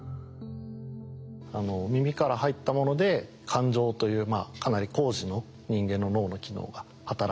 耳から入ったもので感情というかなり高次の人間の脳の機能が働く。